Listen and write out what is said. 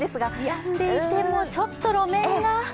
やんでいてもちょっと路面が。